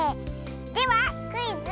では「クイズ！